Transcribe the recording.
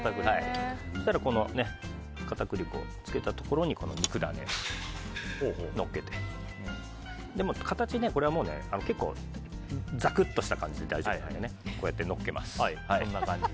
そうしましたら片栗粉をつけたところに肉ダネをのっけて形、これは結構ザクッとした感じで大丈夫でこうやってのっけます。